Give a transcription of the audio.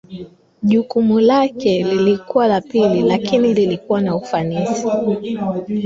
Jukumu lake lilikuwa la pili lakini lilikuwa na ufanisi.